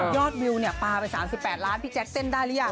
วิวเนี่ยปลาไป๓๘ล้านพี่แจ๊คเส้นได้หรือยัง